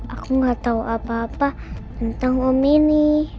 aku nggak tahu apa apa tentang om ini